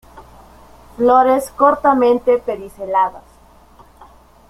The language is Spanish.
Flores cortamente pediceladas.